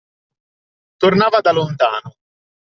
Tornava da lontano.